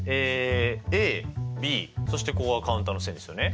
ＡＢそしてここがカウンターの線ですよね。